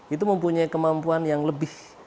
itu mempunyai kemampuan yang lebih